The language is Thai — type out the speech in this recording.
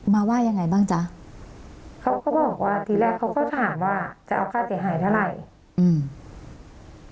ว่ายังไงบ้างจ๊ะเขาก็บอกว่าทีแรกเขาก็ถามว่าจะเอาค่าเสียหายเท่าไหร่อืม